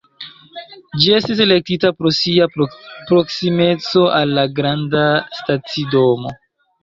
Ĝi estis elektita pro sia proksimeco al la granda stacidomo.